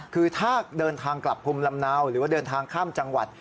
คือถ้าเดินทางกลับภูมิลำเนาหรือว่าเดินทางข้ามจังหวัด